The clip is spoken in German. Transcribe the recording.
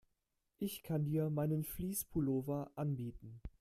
Ich kann dir meinen Fleece-Pullover anbieten.